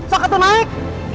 sok itu naik